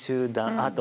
あと。